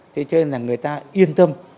thế cho nên là người ta yên tâm